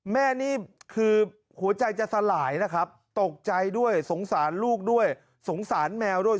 นี่คือหัวใจจะสลายนะครับตกใจด้วยสงสารลูกด้วยสงสารแมวด้วย